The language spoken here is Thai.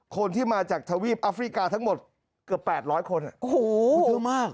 คนที่มาจากทวีปอัฟริกาทั้งหมดเกือบแปดร้อยคนโอ้โหเที่ยวมาก